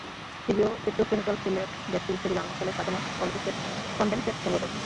সিভিও petrochemical Sylhet gas field থেকে জ্বালানি তেলের কাঁচামাল কনডেনসেট সংগ্রহ করবে।